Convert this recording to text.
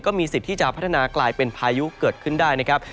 สิทธิ์ที่จะพัฒนากลายเป็นพายุเกิดขึ้นได้นะครับ